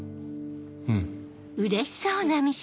うん。